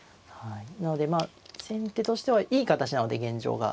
なのでまあ先手としてはいい形なので現状が。